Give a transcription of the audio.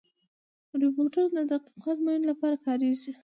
روبوټونه د دقیقو ازموینو لپاره کارېږي.